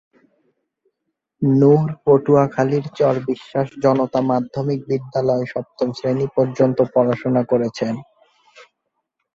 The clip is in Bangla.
নুর পটুয়াখালীর চর বিশ্বাস জনতা মাধ্যমিক বিদ্যালয়ে সপ্তম শ্রেণি পর্যন্ত পড়াশুনা করেছেন।